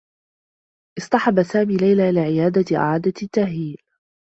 اصطحب سامي ليلى إلى عيادة إعادة تأهيل.